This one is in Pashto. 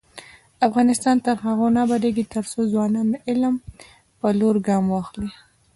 افغانستان تر هغو نه ابادیږي، ترڅو ځوانان د علم په لور ګام واخلي.